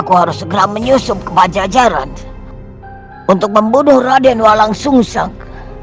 aku harus segera menyusup ke bajajaran untuk membunuh raden walang sungshang